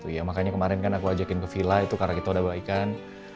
iya makanya kemarin kan aku ajakin ke villa itu karena kita udah baikan